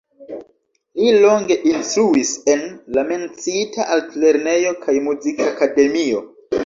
Li longe instruis en la menciita altlernejo kaj Muzikakademio.